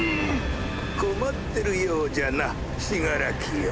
困ってるようじゃな死柄木よ。